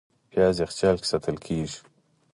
پیاز یخچال کې ساتل کېږي